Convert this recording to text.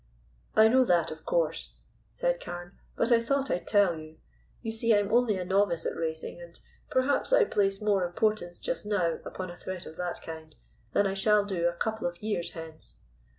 "I know that, of course," said Carne, "but I thought I'd tell you. You see, I'm only a novice at racing, and perhaps I place more importance just now upon a threat of that kind than I shall do a couple of years hence."